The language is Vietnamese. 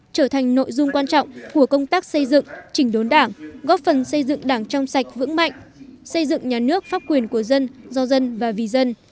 trở thành nội dung quan trọng của công tác xây dựng chỉnh đốn đảng góp phần xây dựng đảng trong sạch vững mạnh xây dựng nhà nước pháp quyền của dân do dân và vì dân